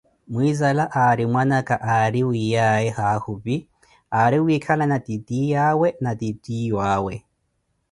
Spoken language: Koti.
Muinzala arri mwananka ari wiyaye hahupi aari wikhalana titiyawe na titiyuawe